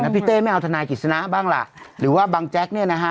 พี่เต้ไม่เอาทนายกฤษณะบ้างล่ะหรือว่าบังแจ๊กเนี่ยนะฮะ